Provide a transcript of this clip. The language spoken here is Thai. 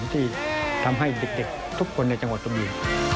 ที่ทำให้เด็กทุกคนในจังหวัดกระบี